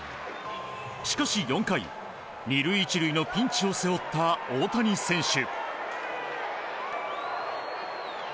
しかし４回、２塁１塁のピンチを背負った大谷選手。